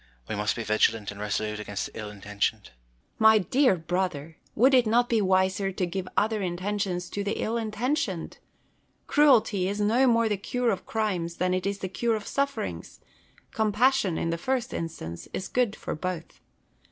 We must be vigilant and resolute against the ill intentioned. Boulter. My dear brother ! would it not l)e wiser to give other intentions to the ill intentioned ? Cruelty is no more the cure of crimes than it is the cure of sufferings : compas sion, in the first instance, is good for both.